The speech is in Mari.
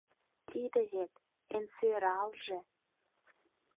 Тиде вет — эн сӧралже!